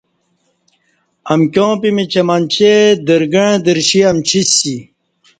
امکیا ں پِیمیچ اہ منچے درگݩع درشی امچِسی